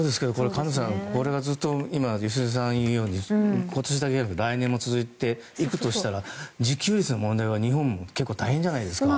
菅野さんこれが良純さんが言うように今年だけじゃなく来年も続いていくとしたら自給率の問題が日本も結構大変ですよね。